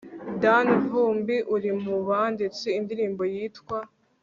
danny vumbi uri mu banditse indirimbo yitwa